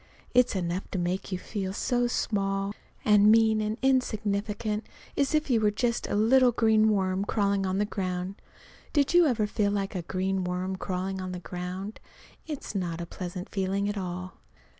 It's enough to make you feel so small and mean and insignificant as if you were just a little green worm crawling on the ground. Did you ever feel like a green worm crawling on the ground? It's not a pleasant feeling at all.